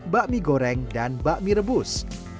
bakmi goreng dan bakmi rebus